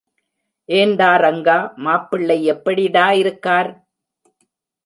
ஏண்டா ரங்கா, மாப்பிள்ளை எப்படிடா இருக்கார்?